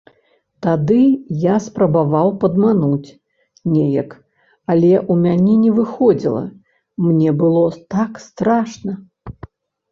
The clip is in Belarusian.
Тады я спрабаваў падмануць неяк, але ў мяне не выходзіла, мне было так страшна.